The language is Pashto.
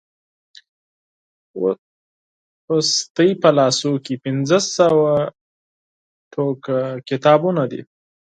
اوس ستاسو په لاسو کې پنځه سوه ټوکه کتابونه دي.